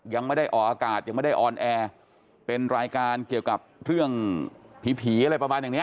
ยังไม่ได้ออกอากาศยังไม่ได้ออนแอร์เป็นรายการเกี่ยวกับเรื่องผีผีอะไรประมาณอย่างเนี้ย